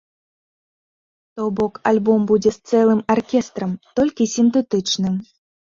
То бок альбом будзе з цэлым аркестрам, толькі сінтэтычным.